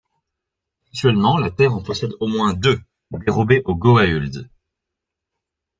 Actuellement la Terre en possède au moins deux, dérobés aux goa'ulds.